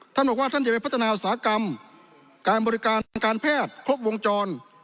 ท่านบอกว่าท่านจะไปพัฒนาอุตสาหกรรมการบริการทางการแพทย์ครบวงจร